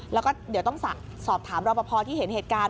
แล้วก็เดี๋ยวต้องสอบถามรอปภที่เห็นเหตุการณ์